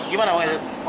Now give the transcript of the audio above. gimana pak yosep